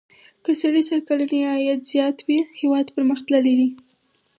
که سړي سر کلنی عاید زیات وي هېواد پرمختللی دی.